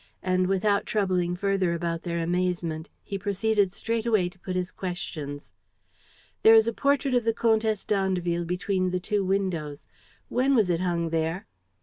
And, without troubling further about their amazement, he proceeded straightaway to put his questions: "There is a portrait of the Comtesse d'Andeville between the two windows. When was it hung there?"